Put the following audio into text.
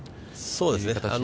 そうですね。